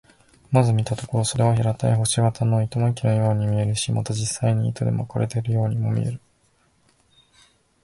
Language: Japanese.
まず見たところ、それは平たい星形の糸巻のように見えるし、また実際に糸で巻かれているようにも見える。